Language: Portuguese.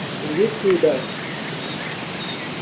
ilíquida